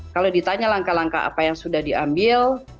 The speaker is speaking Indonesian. kalau ditanya langkah langkah apa yang sudah diambil